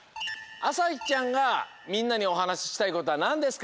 あさひちゃんがみんなにおはなししたいことはなんですか？